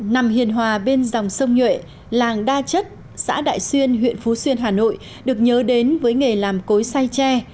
nằm hiền hòa bên dòng sông nhuệ làng đa chất xã đại xuyên huyện phú xuyên hà nội được nhớ đến với nghề làm cối say tre